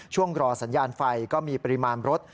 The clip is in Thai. รอสัญญาณไฟก็มีปริมาณรถ